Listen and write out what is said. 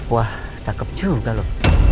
wah cakep juga lo